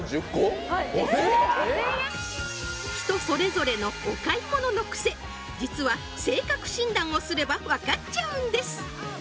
人それぞれのお買い物のクセ実は性格診断をすれば分かっちゃうんです